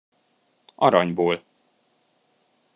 Aranyból!